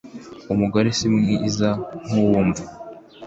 Umugore si umwiza nk’uwumva.